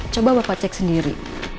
coba bapak cek sendiri